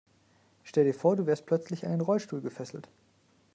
Stell dir vor, du wärst plötzlich an den Rollstuhl gefesselt.